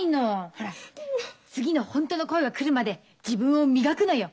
ほら次のホントの恋が来るまで自分を磨くのよ。